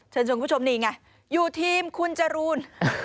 เชิญชวนคุณผู้ชมนี่ไงอยู่ทีมคุณจรูน